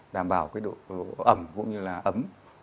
đảm bảo cái độ ẩm cũng như là ấm